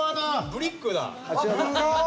ブリックだ。